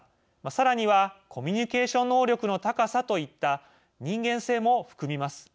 さらにはコミュニケーション能力の高さといった人間性も含みます。